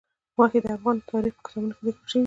غوښې د افغان تاریخ په کتابونو کې ذکر شوي دي.